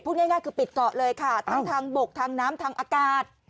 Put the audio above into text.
ง่ายคือปิดเกาะเลยค่ะทั้งทางบกทางน้ำทางอากาศ